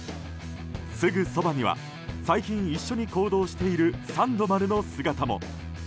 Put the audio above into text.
すぐそばには最近一緒に行動しているサンドバルの姿も。